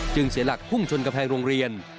เสียหลักพุ่งชนกำแพงโรงเรียน